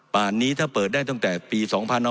นี้ถ้าเปิดได้ตั้งแต่ปี๒๕๖๒